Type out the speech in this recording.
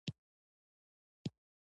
د خولې د بد بوی لپاره باید څه شی وخورم؟